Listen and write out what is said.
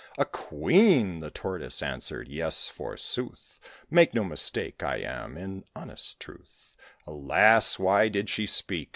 "A queen!" the Tortoise answered; "yes, forsooth; Make no mistake I am in honest truth." Alas! why did she speak?